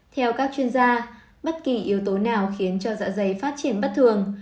theo các chuyên gia bất kỳ yếu tố nào khiến cho dạ dày phát triển bất thường